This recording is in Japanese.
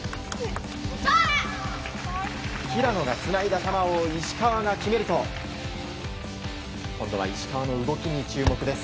平野がつないだ球を石川が決めると今度は石川の動きに注目です。